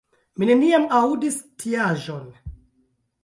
Mi neniam aŭdis tiaĵon.